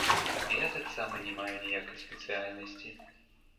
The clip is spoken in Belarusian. Я таксама не маю ніякай спецыяльнасці.